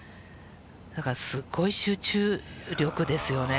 だから、すごい集中力ですよね。